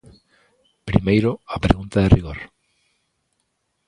Primeiro, a pregunta de rigor.